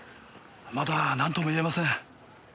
まだなんとも言えません。